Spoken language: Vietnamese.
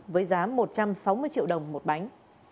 với giá một trăm sáu mươi triệu đồng một bánh